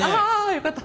よかった。